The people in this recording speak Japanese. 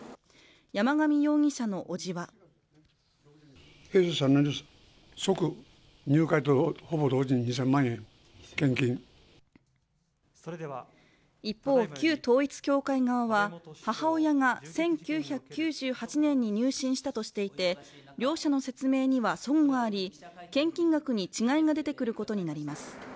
山上容疑者のおじは一方、旧統一教会側は母親が１９９８年に入信したとしていて両者の説明には、そごがあり献金額に違いが出てくることになります。